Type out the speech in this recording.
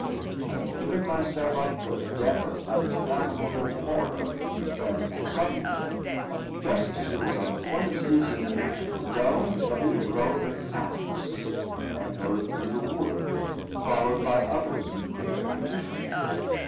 I had given myself up to a death of unfathomable horror, when, suddenly, and just as he was on the point of seizing me, the dull, heavy blow of an axe echoed through the wood, followed by others in quick repetition.